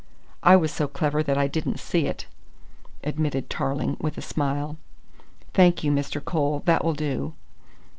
"I was so clever that I didn't see it," admitted Tarling with a smile. "Thank you, Mr. Cole, that will do."